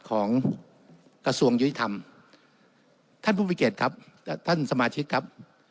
ของกระทรวงยุติธรรมท่านผู้วิเกตครับท่านสมาชิกครับ